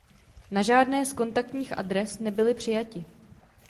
Na žádné z kontaktních adres nebyli přijati.